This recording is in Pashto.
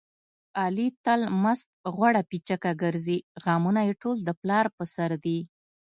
علي تل مست غوړه پیچکه ګرځي. غمونه یې ټول د پلار په سر دي.